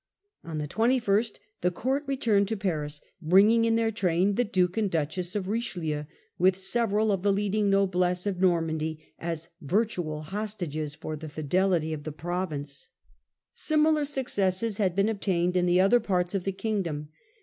On the 2 1 st the court returned to Paris, bringing in their train the Duke and Duchess of Richelieu, with several of the leading noblesse of Normandy, as virtual hostages for the fidelity of the province. Similar successes had been obtained in the other parts of the kingdom.